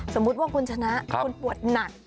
สมมุติว่าคุณชนะคุณปวดหนัก